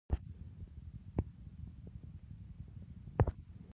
چې غر څه ډول دی، اوس بیا سان ګبرېل ته وګوره.